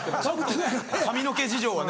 髪の毛事情はね